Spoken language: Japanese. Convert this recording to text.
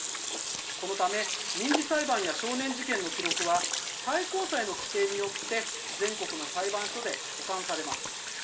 このため民事裁判や少年事件の記録は最高裁の規定によって全国の裁判所で保管されます。